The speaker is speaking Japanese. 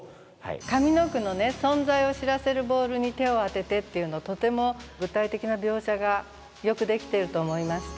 上の句の「存在を知らせる球に手をあてて」っていうのとても具体的な描写がよくできていると思いました。